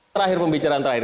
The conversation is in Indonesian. terakhir pembicaraan terakhir